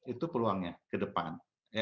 itu peluangnya ke depan